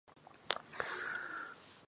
حلوا تياره ده